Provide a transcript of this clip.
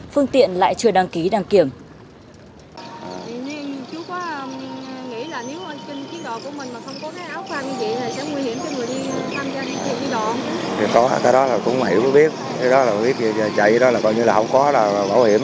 phương tiện lại chưa đăng ký đăng kiểm